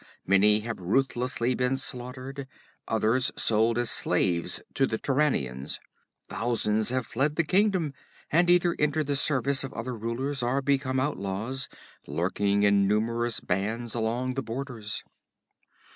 Many have ruthlessly been slaughtered, others sold as slaves to the Turanians. Thousands have fled the kingdom and either entered the service of other rulers, or become outlaws, lurking in numerous bands along the borders.